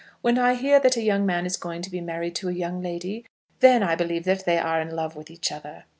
When I hear that a young man is going to be married to a young lady, then I believe that they are in love with each other."